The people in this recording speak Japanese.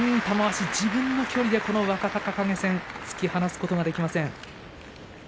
玉鷲、自分の距離でこの若隆景戦突き放すことができません。